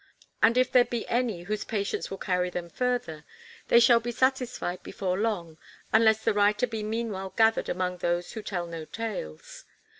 And if there be any whose patience will carry them further, they shall be satisfied before long, unless the writer be meanwhile gathered among those who tell no tales.